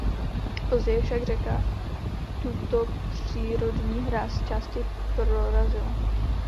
Později však řeka tuto přírodní hráz zčásti prorazila.